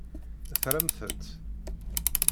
Tramt-t?